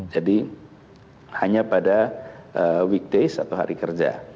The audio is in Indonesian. jadi hanya pada weekdays atau hari kerja